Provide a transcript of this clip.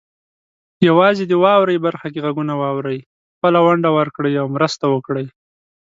یوازې د "واورئ" برخه کې غږونه واورئ، خپله ونډه ورکړئ او مرسته وکړئ.